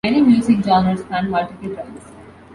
Many music genres span multiple tribes.